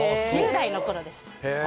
１０代のころです。